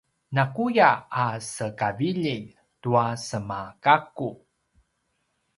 nakuya a sekavililj tua semagakku